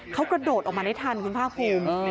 เขากระโดดออกมาได้ทันคุณภาคภูมิ